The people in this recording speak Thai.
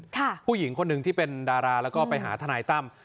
ผู้หญิงคนหนึ่งที่เป็นดาราแล้วก็ไปหาทนายตั้ม